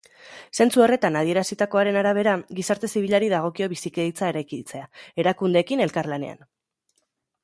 Zentzu horretan adierazitakoaren arabera, gizarte zibilari dagokio bizikidetza eraikitzea, erakundeekin elkarlanean.